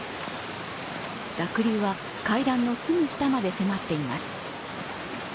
濁流は階段のすぐ下まで迫っています。